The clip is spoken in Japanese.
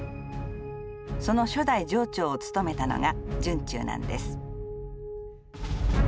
その初代場長を務めたのが惇忠なんです。